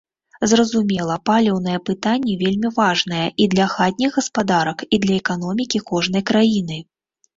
Зразумела, паліўнае пытанне вельмі важнае і для хатніх гаспадарак, і для эканомікі кожнай краіны.